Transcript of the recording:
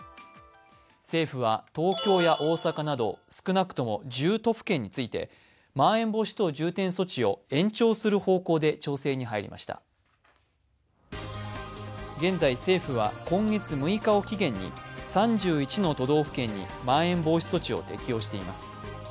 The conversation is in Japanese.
政府は東京や大阪など少なくとも１０都府県についてまん延防止等重点措置を延長する方向で調整に入りました現在、政府は今月６日を期限に３１の都道府県にまん延防止措置を適用しています。